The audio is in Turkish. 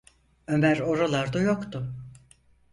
Ömer oralarda yoktu.